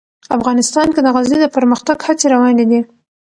افغانستان کې د غزني د پرمختګ هڅې روانې دي.